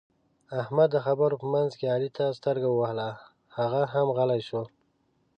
احمد د خبرو په منځ کې علي ته سترګه ووهله؛ هغه هم غلی شو.